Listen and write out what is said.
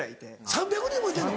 ３００人もいてんの？